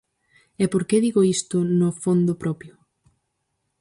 E ¿por que digo isto no fondo propio?